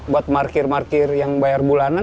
buat parkir parkir yang bayar bulanan